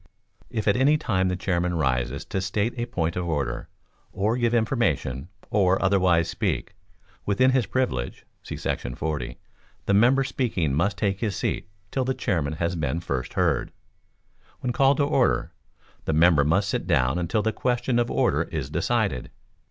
If at any time the Chairman rises to state a point of order, or give information, or otherwise speak, within his privilege [see § 40], the member speaking must take his seat till the Chairman has been first heard. When called to order, the member must sit down until the question of order is decided.